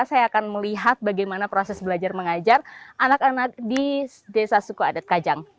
saya akan melihat bagaimana proses belajar mengajar anak anak di desa suku adat kajang